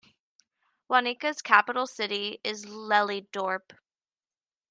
Wanica's capital city is Lelydorp.